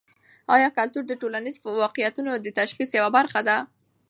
ایا کلتور د ټولنیزو واقعیتونو د تشخیص یوه برخه ده؟